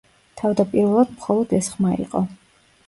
თავდაპირველად მხოლოდ ეს ხმა იყო.